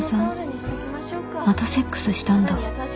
またセックスしたんだ